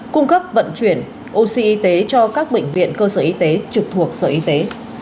cung cấp vận chuyển oxy y tế cho các bệnh viện cơ sở y tế trực thuộc sở y tế